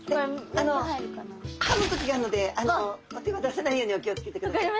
あのかむ時があるのでお手は出さないようにお気をつけてください。